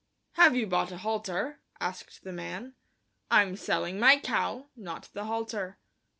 "Have you brought a halter?" asked the man. "I'm selling my cow, not the halter."